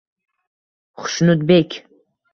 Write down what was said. Xushnudbek